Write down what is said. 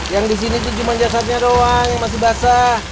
yang di sini itu cuma jasadnya doang yang masih basah